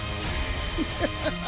・フハハハ。